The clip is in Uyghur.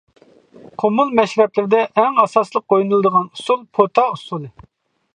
قۇمۇل مەشرەپلىرىدە ئەڭ ئاساسلىق ئوينىلىدىغان ئۇسۇل-پۇتا ئۇسۇلى.